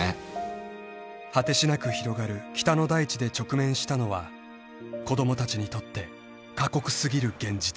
［果てしなく広がる北の大地で直面したのは子供たちにとって過酷すぎる現実］